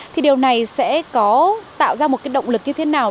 thì điều này sẽ có tạo ra một cái động lực như thế nào